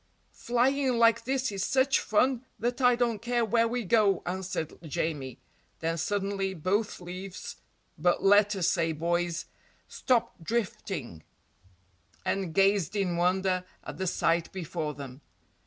"Flying like this is such fun that I don't care where we go," answered Jamie, then suddenly both leaves but let us say boys stopped drifting and gazed in wonder at the sight before them.